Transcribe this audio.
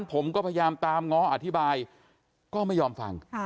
อย่างนั้นผมก็พยายามตามง้ออธิบายก็ไม่ยอมฟัง